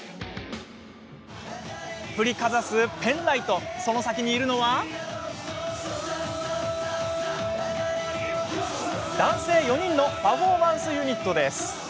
振りかざすペンライトその先にいるのは男性４人のパフォーマンスユニットです。